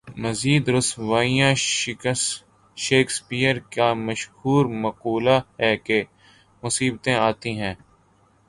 مزید رسوائیاں شیکسپیئر کا مشہور مقولہ ہے کہ مصیبتیں آتی ہیں۔